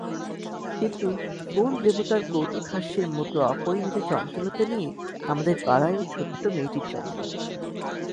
কিন্তু, কোন দেবতার কৌতুকহাস্যের মতো অপরিমিত চঞ্চলতা নিয়ে আমাদের পাড়ায় ঐ ছোটো মেয়েটির জন্ম।